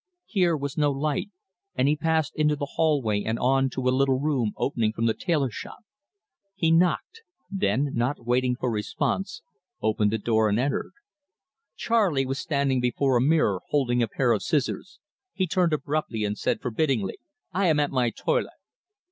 Here was no light, and he passed into the hallway and on to a little room opening from the tailorshop. He knocked; then, not waiting for response, opened the door and entered. Charley was standing before a mirror, holding a pair of scissors. He turned abruptly, and said forbiddingly: "I am at my toilet!"